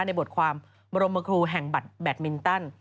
ในบทความบรมครูแห่งบัตรแบตมินตัน